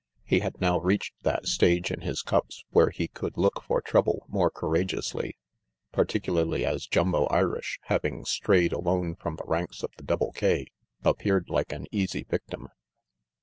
He had now reached that stage in his cups where he could look for trouble more courageously, particularly as Jumbo Irish, having strayed alone from the ranks of the Double K, appeared like an easy victim.